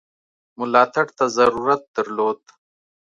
ملاتړ ته ضرورت درلود.